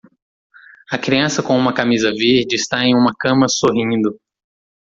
A criança com uma camisa verde está em uma cama sorrindo